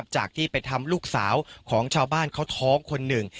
จากที่ไปทำลูกสาวของชาวบ้านเขาท้องคนหนึ่ง